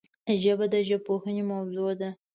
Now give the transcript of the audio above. ژبه د ژبپوهنې موضوع ده